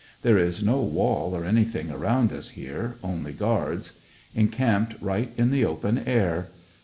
There is no wall or anything around us here, only guards. Encamped right in the open air.